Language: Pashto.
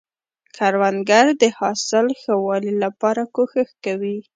کروندګر د حاصل ښه والي لپاره کوښښ کوي